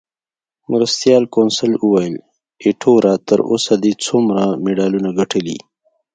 مرستیال کونسل وویل: ایټوره، تر اوسه دې څومره مډالونه ګټلي؟